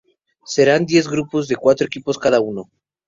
Serán diez grupos de cuatro equipos cada uno.